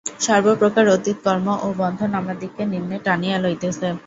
সর্বপ্রকার অতীত কর্ম ও বন্ধন আমাদিগকে নিম্নে টানিয়া লইতেছে।